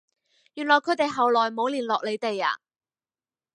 原來佢哋後來冇聯絡你哋呀？